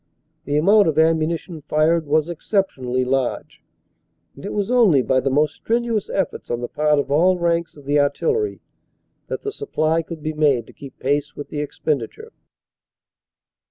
The amount of am munition fired was exceptionally large, and it was only by the most strenuous efforts on the part of all ranks of the Artillery that the supply could be made to keep pace with the expendi ture.